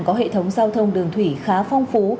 có hệ thống giao thông đường thủy khá phong phú